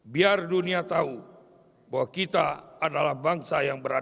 biar dunia tahu bahwa kita adalah bangsa yang berada